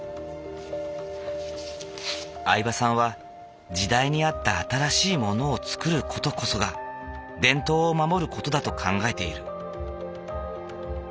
饗庭さんは時代に合った新しいものを作る事こそが伝統を守る事だと考えている。